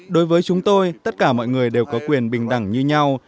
đối với chúng tôi tất cả mọi người đều có quyền bình đẳng như nhau